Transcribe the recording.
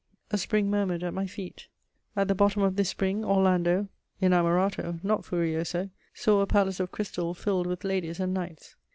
A spring murmured at my feet; at the bottom of this spring Orlando (Inamorato, not Furioso) saw a palace of crystal filled with ladies and knights.